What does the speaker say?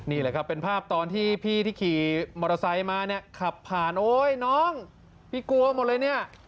นี่แหละครับเป็นภาพตอนที่พี่ที่ขี่มอเตอร์ไซต์มาเนี่ย